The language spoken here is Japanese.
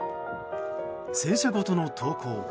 戦車ごとの投降。